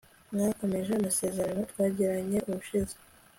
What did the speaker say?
mwakomeje amasezerano twagiranye ubushize